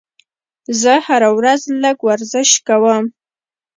زه هره ورځ لږ ورزش کوم.